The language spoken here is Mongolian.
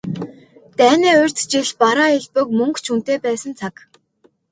Дайны урьд жил бараа элбэг, мөнгө ч үнэтэй байсан цаг.